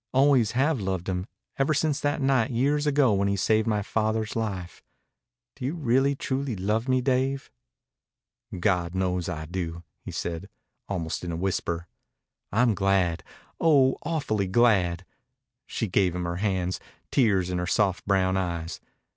Always have loved him, ever since that night years ago when he saved my father's life. Do you really truly love me, Dave?" "God knows I do," he said, almost in a whisper. "I'm glad oh, awf'ly glad." She gave him her hands, tears in her soft brown eyes.